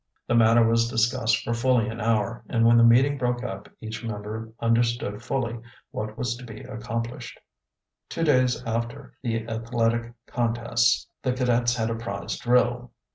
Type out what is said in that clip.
The matter was discussed for fully an hour, and when the meeting broke up each member understood fully what was to be accomplished. Two days after the athletic contests the cadets had a prize drill.